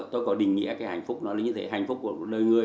tôi có định nghĩa cái hạnh phúc nó là như thế hạnh phúc của lời người